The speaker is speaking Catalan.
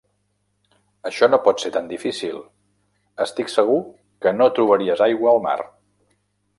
Això no pot ser tan difícil! Estic segur que no trobaries aigua a mar!